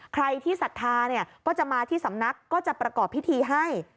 ใครที่ศรัทธาเนี่ยก็จะมาที่สำนักก็จะประกอบพิธีให้